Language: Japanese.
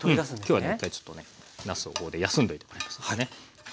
今日はね一回ちょっとねなすをここで休んでおいてもらいますんでね。